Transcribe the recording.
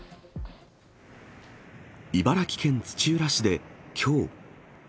茨城県土浦市できょう。